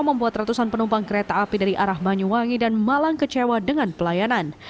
membuat ratusan penumpang kereta api dari arah banyuwangi dan malang kecewa dengan pelayanan